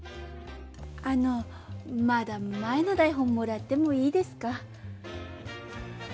あのまだ前の台本もらってもいいですか？